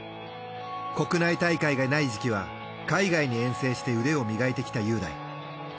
国内大会がない時期は海外に遠征して腕を磨いてきた雄大。